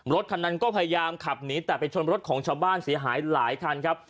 รถคันนั้นก็พยายามขับหนีแต่ไปชนรถของชาวบ้านเสียหายหลายคันครับ